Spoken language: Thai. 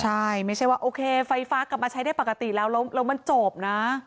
ใช่ไม่ใช่ว่าโอเคไฟฟ้ากลับมาใช้ได้ปกติแล้วแล้วมันจบนะ